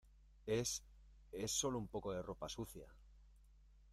es... es solo un poco de ropa sucia .